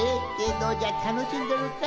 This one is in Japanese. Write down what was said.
どうじゃたのしんどるか？